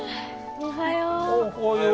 おはよう。